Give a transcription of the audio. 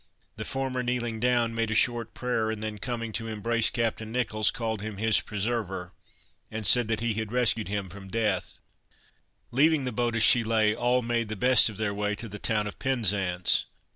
The former, kneeling down, made a short prayer, and then coming to embrace Captain Nicholls, called him his preserver, and said that he had rescued him from death. Leaving the boat as she lay, all made the best of their way to the town of Penzance.